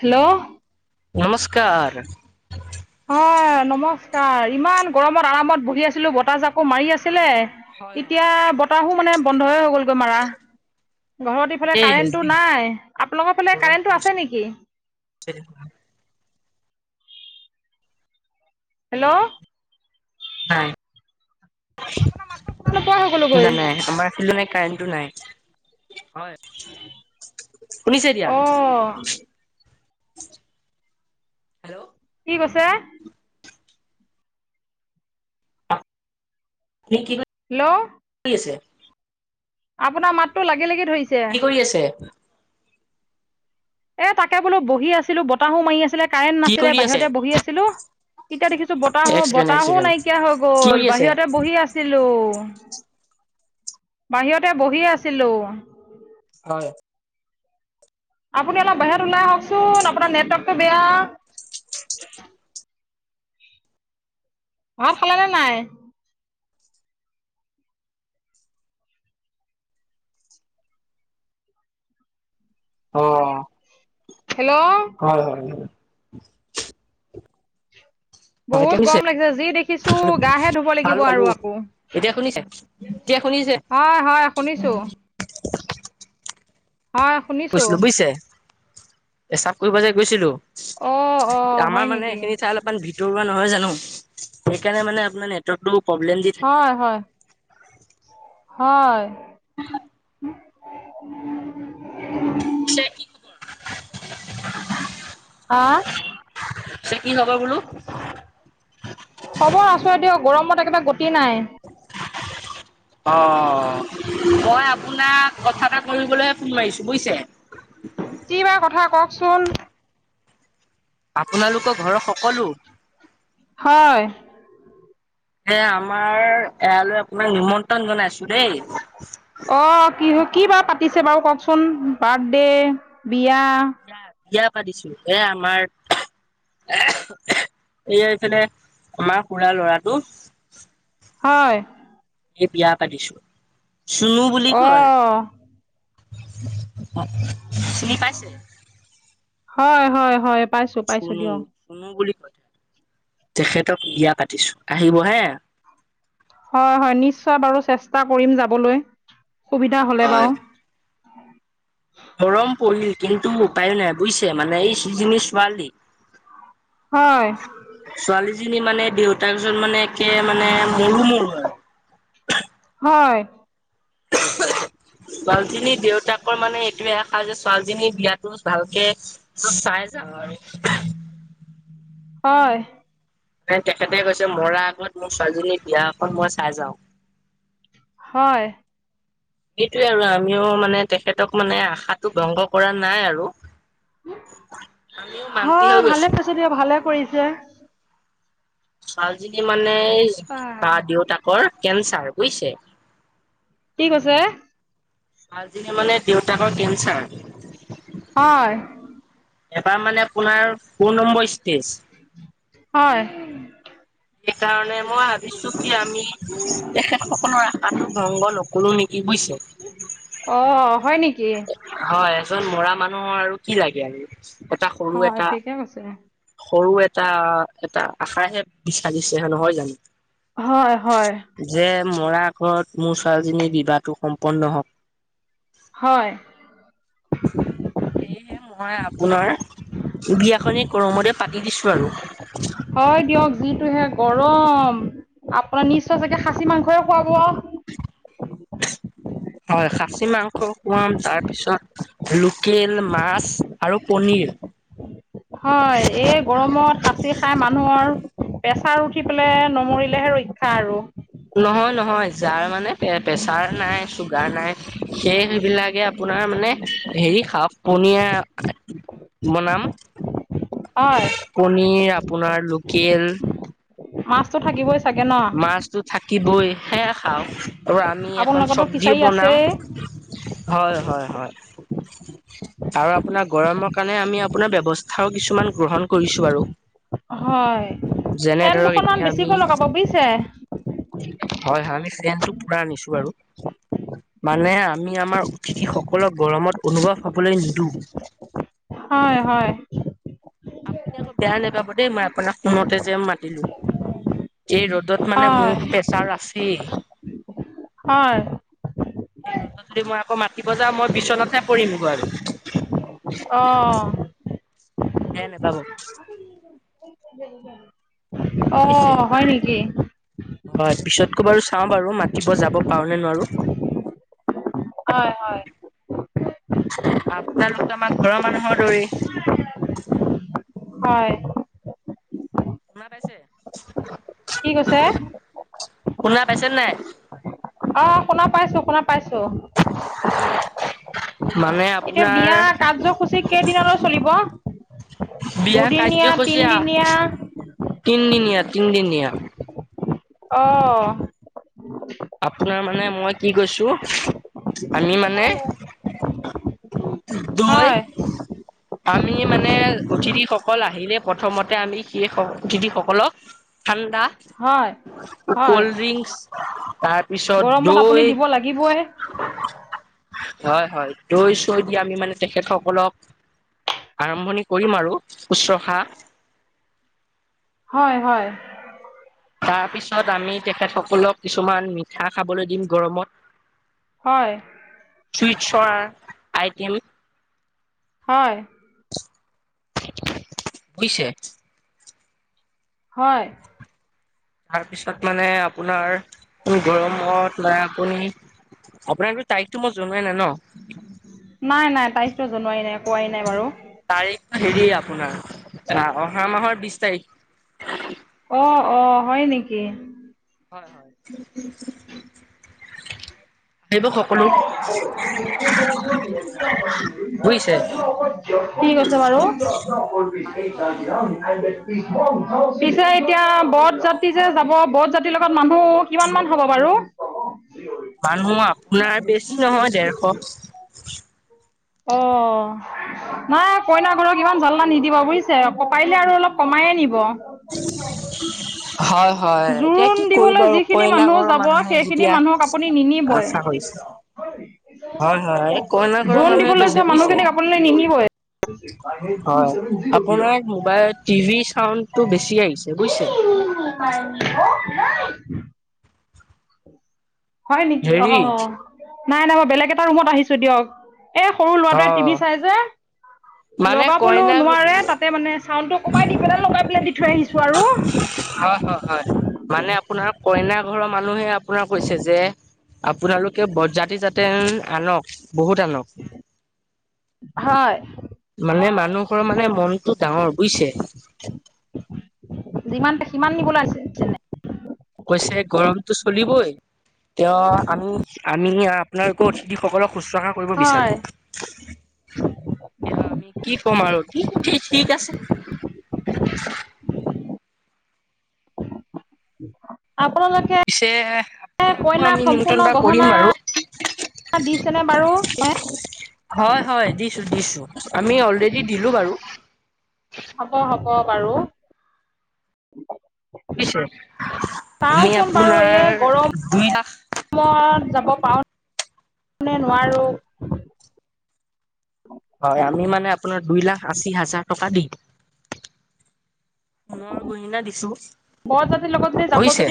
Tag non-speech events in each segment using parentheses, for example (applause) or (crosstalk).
Hello নমস্কাৰ অহঁ নমস্কাৰ ইমান গৰমত আৰামত বহি আছিলো বতাহজাকো মাৰি আছিলে। হয় হয়। এতিয়া বতাহো মানে বন্ধয়ে হৈ গ'লগৈ মাৰা। ঘৰত ইফালে তাকেই কাৰেন্টটো যি নাই আপোনালোকৰ ফালে কাৰেণ্টটো আছে নেকি? চ (unintelligible) হেল্ল' নাই, নোপোৱা হৈ গ'লোগৈ নাই নাই আমাৰ- নাই কাৰেণ্টটো নাই হয়, শুনিছে অ এতিয়া- হেল্ল'। কি কৈছে? লেকিন? হেল্ল' কৰি আছে। আপোনাৰ মাতটো লাগি লাগি ধৰিছে। কি কৰি আছে। এই তাকে বোলো বহি আছিলোঁ বতাহো মাৰি আছিলে কাৰেণ্ট কি নাছিলে কৰি আছে? বাহিৰতে বহি আছিলোঁ। এতিয়া দেখিছো বতাহ এক ছেকেণ্ড এক বতাহো ছেকেণ্ড। নাইকিয়া হৈ কি গ'ল কৰি আছে? বাহিৰতে। বহি আছিলো, বাহিৰতে বহি আছিলো। হয় আপুনি অলপ বাহিৰত ওলাই আহওচোন, আপোনাৰ নেটৱৰ্কটো বেয়া। ভাত খালে নে নাই? অহঁ হেল্ল' হয় হয় হয়। হয় এতিয়া বহুত শুনিছে? গৰম লাগিছে যি দেখিছো গা হে ধুব খালো লাগিব খালো। আৰু আকৌ। এতিয়া শুনিছে? এতিয়া শুনিছে? হয় হয় শুনিছো। হয়। শুনিছো কৈছিলো বুজিছে, পেছাপ কৰিবলে গৈছিলো। অ অ হয় আমাৰ মানে নেকি এইখিনি ঠাই অলপ - অকমান ভিতৰুৱা নহয় জানো সেইকাৰণে মানে আপোনাৰ নেটৱৰ্কতটো প্ৰব্লেম দি থাকে। হয় হয় হয় হয় উম শে কি হা চেনি খাবা বোলো। খবৰ আছো এ দিয়ক গৰমত একোৰে গতি নাই। অ মই আপোনাক কথা এটা কৰিবলৈ ফওইছো বুজছে। কি বাৰ কথা কওক চোন। আপোনালোকৰ ঘৰৰ সকলো- হয়। এ আমাৰ এয়ালৈ আপোনাক নিমন্ত্ৰণ জনাইছো দেই। অ কি কি বাৰু পাতিছে বাৰু কওকচোন বাৰ্থডে, বিয়া। বিয়া বিয়া পাতিছো এ আমাৰ- এইয়া এফালে আমাৰ খুৰা লৰাটো- হয়। এই বিয়া পাতিছো চুনু বুলি কয়। অ চিনি পাইছে? হয় হয় হয় পাইছো। চুনো চুনো বুলি কয় তেখেতক বিয়া পাতিছো আহিব হে। হয় হয় নিশ্চয় বাৰু চেষ্টা কৰিম যাবলৈ সুবিধা হ'লে বাওঁ। সৰম পৰিল কিন্তু উপায়ো নাই বুজিছে মানে এই যিজনী ছোৱালী। হয়। ছোৱালীজনী মানে দেউতাক জন মানে একে মানে মৰো মৰোৱে। হয়। ছোৱালীজনীৰ দেউতাকৰ মানে এইটোয়ে আশা যে ছোৱালীজনীৰ বিয়াটো ভালকে- টো চাই যায় আৰু। হয়। তেখেতে কৈছে মৰা আগত মোৰ ছোৱালীজনীৰ বিয়া এখন মই চাই যাওঁ। হয়। এইটোৱে আৰু আমিও মানে তেখেতক মানে আশাটো ভংগ কৰা নাই আৰু। আমিও মান্তি হয় হৈ ভালে গৈছো পাইছে দিয়ক ভালে কৰিছে। ছোৱালীজনী মানে এই আহ, ‌তা দেউতাকৰ কেন্ঞ্চাৰ বুইছে। কি কৈছে? ছোৱালীজনীৰ মানে দেউতাকৰ কেন্ঞ্চাৰ। হয়। এবাৰ মানে আপোনাৰ ফৌৰ নম্বৰ ষ্টেজ। হয়। সেইকাৰণে মই ভাবিছো কি আমি তেখেত সকলৰ আশাটো ভংগ নকৰোঁ নেকি বুইছে। অ হয় নেকি? হয় এজন মৰা মানুহৰ আৰু কি লাগে আৰু। এটা সৰু হয় এটা ঠিকে কৈছে। সৰু এটা এটা আশাহে বিচাৰিছে হে নহয় জানো? হয় হয়। যে মৰা আগত মোৰ ছোৱালীজনীৰ বিবাহটো সম্পন্ন হওক। হয়। সেয়েহে মই আপোনাৰ বিয়াখনি গৰমতে পাতি দিছোঁ আৰু। হয় দিয়ক যিটোহে গৰম আপোনাৰ নিশ্চয় চাগে খাচী মাংসই খুৱাব। হয় খাচী মাংস খুৱাম তাৰ পিছত। লোকেল মাছ আৰু পনীৰ। হয় এই গৰমত খাঁচি খাই মানুহৰ। পেছাৰ উঠি পেলাই নমৰিলেহে ৰক্ষা আৰু। নহয় নহয় যাৰ মানে প্ৰেছাৰ নাই চুগাৰ নাই সেই সেইবিলাকে আপোনাৰ মানে। হেৰি খাও পনীয়া বনাম। হয়। পনীৰ আপোনাৰ লোকেল। মাছতো থাকিবই চাগে ন। মাছটো থাকিবই সেয়া খাওঁক তওৰ আমি এখন আপোনালোকৰতো ফিচাৰী চব্জিও বনাম। আছেই হয় হয় হয়। আৰু আপোনাৰ গৰমৰ কাৰণে আমি আপোনাৰ ব্যৱস্থাও কিছুমান গ্ৰহণ কৰিছো বাৰু। হয় যেনে ফেন ধৰক দুখনমান এতিয়া আমি বেছিকৈ লগাব বুজিছে। হয় হয় আমি চেটো পুৰা আনিছো বাৰু মানে আমি আমাৰ অতিথি সকলক গৰমত অনুভৱ হবলৈ নিদিওঁ। হয় হয়। আপুনি আকৌ বেয়া নাপাব দেই মই আপোনাক ফোনতে যে মাতিলো এই ৰ'দত। মানে হয় মোৰতো প্ৰেছাৰ আছেই। হয়। এইেই ৰ'দত যদি মই আকৌ মাতিব যাওঁ মই বিচনাতহে পৰিমগৈ আৰু অঁ বেয়া নাপাব। অ বুজিছে হয় নেকি। হয় পিছতকো বাৰু চাওঁ বাৰু মাতিব যাব পাৰো নে নোৱাৰো। হয় হয়। আপোনালোকো আমাৰ ঘৰৰ মানুহৰ দৰেই। হয়। সোমাই পাইছে। কি কৈছে। শুনা পাইছে নাই। অ শুনা পাইছো শুনা পাইছো। (unintelligible) মানে এতিয়া আপোনাৰ। বিয়া কাৰ্যসূচী কেইদিনলৈ চলিব বিয়া দুদিনীয়া তিনিদিনীয়া কাৰ্যসূচী তিনদিনীয়া তিনদিনীয়া। অ আপোনাৰ মানে মই কি কৈছো আমি মানে, দৈ, হয় আমি মানে অতিথি সকল আহিলে প্ৰথমতে আমি সেই অতিথি সকলক। ঠাণ্ডা হয় হয় কল্ড্ৰিংক। তাৰপিছত গৰমত আপুনি দৈ। দিব লাগিবই হয় হয় দৈ চৈ দি আমি মানে তেখেতসকলক। আৰম্ভণি কৰিম আৰু শুশ্ৰষা। হয় হয়। তাৰ পিছত আমি তেখেতসকলক কিছুমান মিঠা খাবলৈ দিম গৰমত। হয়। চুইটছৰ আইটিয়েম। হয়। বুজিছে। হয়। তাৰপিছত মানে আপোনাৰ গৰমত মানে আপুনি। আপোনাক তো তাৰিখতটো মই জনোৱাই নাই ন। নাই নাই তাৰিখটো জনোৱাৰি নাই কোৱাই নাই বাৰু তাৰিখটো হেৰিয় আপোনাৰ অহা মাহৰ বিছ তাৰিখ। অ অ হয় নেকি? হয় হয়। কলো। বুজিছে (unintelligible) ঠিক আছে বাৰু (unintelligible) আহিব সকলো পিছে এতিয়া বৰত যাত্ৰী যে যাব, বৰত যাত্ৰীৰ লগত মানুহ কিমান মান হ'ব বাৰু মানুহ আপোনাৰ বেছি নহয় দেৰশ। অ'। নাই কইনাঘৰক ইমান জাললা নিদিব বুজিছে? পাৰিলে আৰু অলপ। কমাইয়ে নিব। (unintelligible) হয় হয়, এতিয়া জোৰোণ কি কৰিব দিবলৈ আৰু! যিখিনি কইনা মানুহ ঘৰৰ যাব মানুহে সেইখিনি যেতিয়া মানুহক আপুনি নিনিবই আশা কৰিছে। হয় হয়, কইনা ঘৰৰ জোৰোণ মানুহে দিবলৈ যোৱা কৈছে বুজিছে! মানুহখিনিক আপোনালোকে নিনিবই হয়, আপোনাৰ মোবাইলত টিভিৰ চাউণ্ডটো বেছি আহিছে বুজিছে! (unintelligible) হয় নেকি? হেৰি অ', নাই নাই মই বেলেগ এটা ৰুমত আহিছো দিয়ক। এ সৰু অ ল'ৰাটোৱে টিভি চাই যে। মানে লগাবলৈও কইনা নোৱাৰে, তাতে মানে চাউণ্ডটো কমাই দি পেলাই, লগাই পেলাই দি থৈ আহিছো আৰু! হয় হয় হয়। মানে আপোনাৰ কইনা ঘৰৰ মানুহে আপোনাৰ কৈছে যে আপোনালোকে বৰযাত্ৰী যাতে আনক। বহুত আনক। হয়। মানে মানুহঘৰৰ মানে মনটো ডাঙৰ। বুজিছে? যিমান, সিমান নিবলে আহিছে। (unintelligible) কৈছে গৰমটো চলিবই, তে আমি-আমি। আপোনালোকৰ অতিথিসকলক শুশ্ৰূষা কৰিব বিচাৰো। (unintelligible) এতিয়া আমি কি ক'ম আৰু! (unintelligible) ঠিক আছে। আপোনালোকে পিছে আপোনাকো কইনাক আমি সম্পূৰ্ণ নিমন্ত্ৰণ এটা গহনা কৰিম বাৰু! দিছেনে বাৰু? (unintelligible) হয় হয়, দিছো দিছো। আমি অলৰেডি দিলো বাৰু! হ'ব হ'ব বাৰু! (unintelligible) আমি চাওঁচোন আপোনাৰ দুই লাখ সময়ত যাব পাৰোঁ নে নোৱাৰোঁ হয়, আমি মানে আপোনাৰ দুই লাখ আশী হাজাৰ টকা দিম। সোণৰ গহিণা দিছো, বৰযাত্ৰীৰ লগত বুইছে।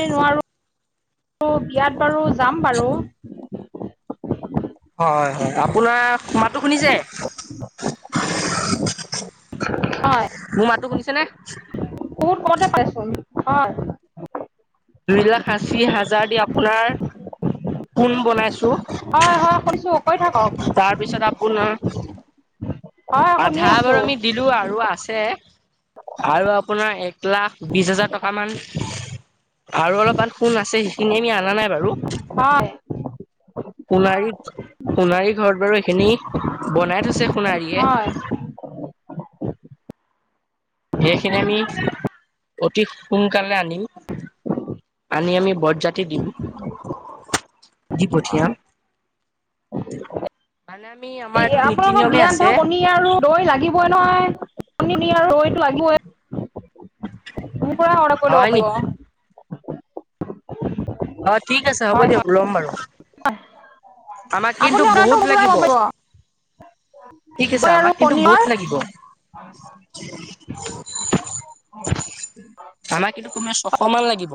অ' বিয়াত বাৰু যাম বাৰু! হয় হয়। আপোনাৰ, মাতটো শুনিছে? হয় মোৰ মাতটো শুনিছে নে? বহুত কমতে পাইচোন! হয়। দুই লাখ আশী হাজাৰ দি আপোনাৰ সোণ বনাইছো। হয় হয় শুনিছো। কৈ থাকক। তাৰপিছত আপোনাৰ হয় শুনি আধা বাৰু আছোঁ আমি দিলো, আৰু আছে আৰু আপোনাৰ এক লাখ বিশ হাজাৰ টকামান! আৰু অলপমান সোণ আছে, সেইখিনি আমি অনা নাই বাৰু! (unintelligible) সোণাৰীত, সোণাৰীৰ ঘৰত বাৰু এইখিনি বনাই থৈছে সোণাৰীয়ে! হয় সেইখিনি আমি অতি সোনকালে আনিম। আনি আমি বৰযাত্ৰী (unintelligible) দি পঠিয়াম। মানে আমি, আমাৰ এই এইটো আপোনালোকৰ নীতি-নিয়মে বিয়াত আছে। ধৰক কণী আৰু দৈ লাগিবই নহয়! (unintelligible) আৰু দৈ লাগিবই। মোৰ পৰা হয় ল'ব নেকি পাৰিব। অ ঠিক আছে হ'ব হয় দিয়ক হয় লম বাৰু। আমাক কিন্তু আপুনি বহুত অৰ্ডাৰটো মোৰ পৰাই লাগিব পাব। ঠিক আছে আমাক কিন্তু বহুত পনীৰৰ লাগিব। (unintelligible) আমাক কিন্তু তোমাৰ ছশ মান লাগিব।